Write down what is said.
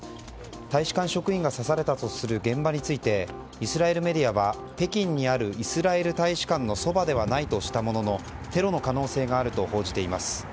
大使館職員が刺されたとする現場についてイスラエルメディアは北京にあるイスラエル大使館のそばではないとしたもののテロの可能性があると報じています。